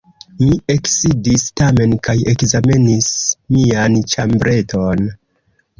Mi eksidis tamen kaj ekzamenis mian ĉambreton.